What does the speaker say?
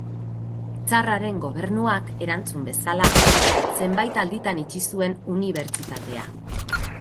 Tsarraren gobernuak, erantzun bezala, zenbait alditan itxi zuen unibertsitatea.